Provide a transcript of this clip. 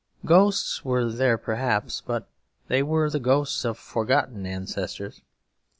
Ghosts were there perhaps, but they were the ghosts of forgotten ancestors.